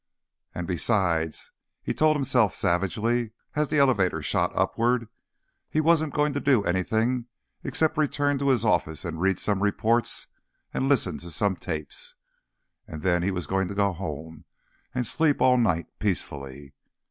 And besides, he told himself savagely as the elevator shot upward, he wasn't going to do anything except return to his office and read some reports and listen to some tapes. And then he was going to go home and sleep all night, peacefully.